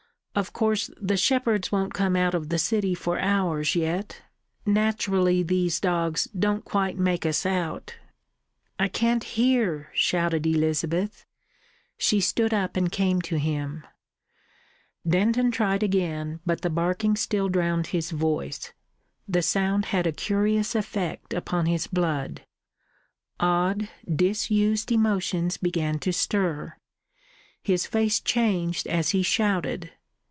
"Of course the shepherds won't come out of the city for hours yet. Naturally these dogs don't quite make us out." "I can't hear," shouted Elizabeth. She stood up and came to him. Denton tried again, but the barking still drowned his voice. The sound had a curious effect upon his blood. Odd disused emotions began to stir; his face changed as he shouted.